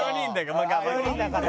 ４人だから。